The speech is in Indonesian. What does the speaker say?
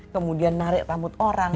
kemudian narik rambut orang